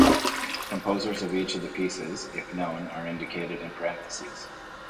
Composers of each of the pieces, if known, are indicated in parentheses.